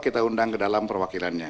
kita undang ke dalam perwakilannya